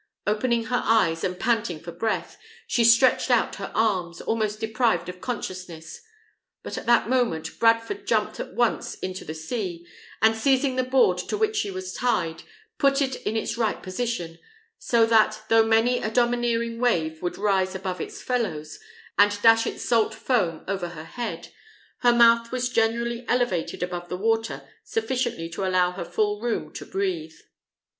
Opening her eyes, and panting for breath, she stretched out her arms, almost deprived of consciousness; but at that moment Bradford jumped at once into the sea, and seizing the board to which she was tied, put it in its right position; so that, though many a domineering wave would rise above its fellows, and dash its salt foam over her head, her mouth was generally elevated above the water sufficiently to allow her full room to breathe.